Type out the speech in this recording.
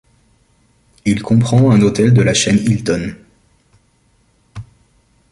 Il comprend un hôtel de la chaine Hilton.